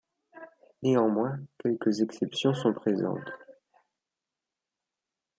Néanmoins, quelques exceptions sont présentes.